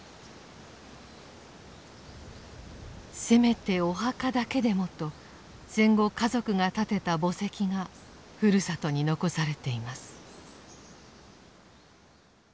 せめてお墓だけでもと戦後家族が建てた墓石がふるさとに残されています。